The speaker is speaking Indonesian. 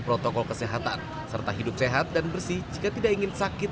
protokol kesehatan serta hidup sehat dan bersih jika tidak ingin sakit